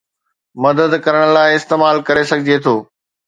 مدد ڪرڻ لاء استعمال ڪري سگهجي ٿو